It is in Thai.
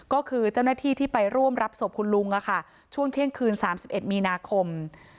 ก็คือเจ้าหน้าที่ที่ไปร่วมรับศพคุณลุงช่วงเที่ยงคืน๓๑มีนาคม